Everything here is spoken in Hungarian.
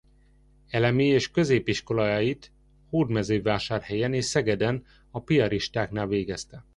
Elemi és középiskoláit Hódmezővásárhelyen és Szegeden a piaristáknál végezte.